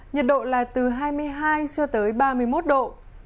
nhật độ là từ hai mươi hai ba mươi một độ